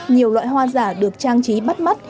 nhiều loại hoa giả được trang trí bắt mắt